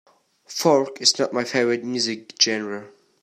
Folk is not my favorite music genre.